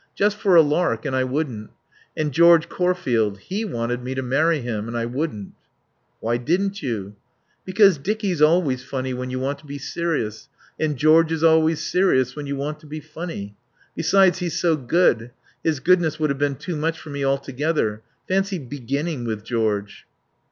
Just for a lark, and I wouldn't. And George Corfield. He wanted me to marry him. And I wouldn't." "Why didn't you?" "Because Dicky's always funny when you want to be serious and George is always serious when you want to be funny. Besides, he's so good. His goodness would have been too much for me altogether. Fancy beginning with George."